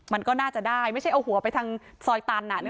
มันก็น่าจะได้ไม่ใช่เอาหัวไปทางซอยตัน